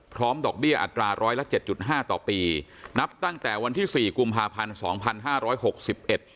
ดอกเบี้ยอัตราร้อยละเจ็ดจุดห้าต่อปีนับตั้งแต่วันที่สี่กุมภาพันธ์สองพันห้าร้อยหกสิบเอ็ด